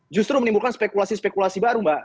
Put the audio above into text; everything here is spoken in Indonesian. justru menimbulkan spekulasi spekulasi baru mbak